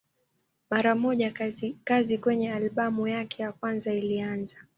Mara moja kazi kwenye albamu yake ya kwanza ilianza.